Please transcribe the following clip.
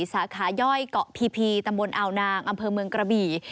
สาขาย่อยเกาะพีพีตำบลอาวนางอำเภอเมืองกระบี่